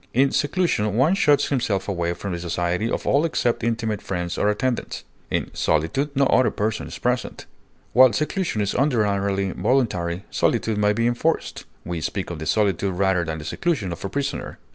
In seclusion one shuts himself away from the society of all except intimate friends or attendants; in solitude no other person is present. While seclusion is ordinarily voluntary, solitude may be enforced; we speak of the solitude rather than the seclusion of a prisoner.